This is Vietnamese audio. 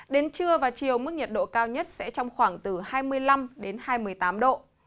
đến trưa và chiều mức nhiệt độ cao nhất sẽ trong khoảng từ hai mươi năm đến hai mươi tám độ